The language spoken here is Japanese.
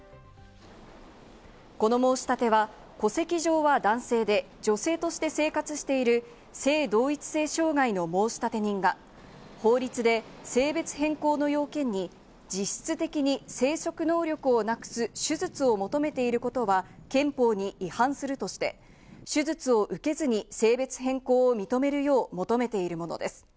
この申し立ては、戸籍上は男性で女性として生活している性同一性障害の申立人が法律で性別変更の要件に、実質的に生殖能力をなくす手術を求めていることは憲法に違反するとして、手術を受けずに性別変更を認めるよう求めているものです。